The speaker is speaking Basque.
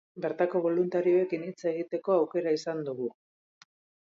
Bertako boluntarioekin hitz egiteko aukera izan dugu.